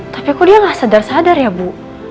tapi kok dia gak sedar sadar ya bu